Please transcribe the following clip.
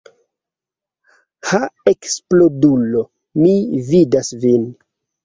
Ha eksplodulo, mi vidas vin!